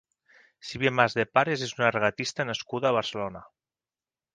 Silvia Mas Depares és una regatista nascuda a Barcelona.